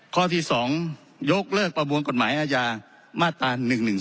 ข้อที่๒ยกเลิกประมวลกฎหมายอาญามาตรา๑๑๒